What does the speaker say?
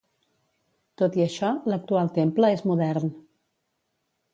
Tot i això, l'actual temple és modern.